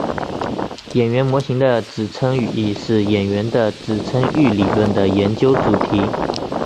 演员模型的指称语义是演员的指称域理论的研究主题。